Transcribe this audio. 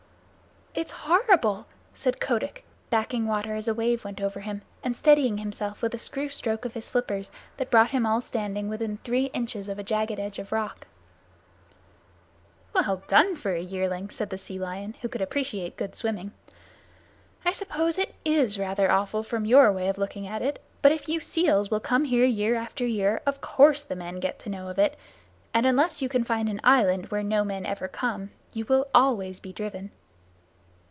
"It's horrible," said Kotick, backing water as a wave went over him, and steadying himself with a screw stroke of his flippers that brought him all standing within three inches of a jagged edge of rock. "Well done for a yearling!" said the Sea Lion, who could appreciate good swimming. "I suppose it is rather awful from your way of looking at it, but if you seals will come here year after year, of course the men get to know of it, and unless you can find an island where no men ever come you will always be driven."